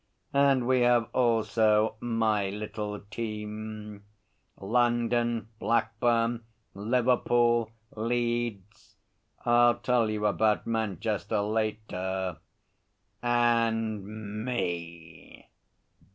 'And we have also my little team London, Blackburn, Liverpool, Leeds I'll tell you about Manchester later and Me!